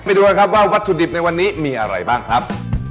ไปดูกันครับว่าวัตถุดิบในวันนี้มีอะไรบ้างครับ